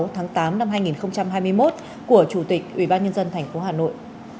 tháng tám năm hai nghìn hai mươi một của chủ tịch ubnd thành phố hà nội